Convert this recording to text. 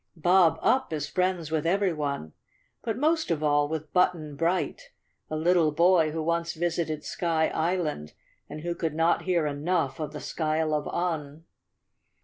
Bob Up is friends with everyone, but most of all with Button Bright, a little boy who once visited Sky Island and who could not hear enough of the Skyle of Un.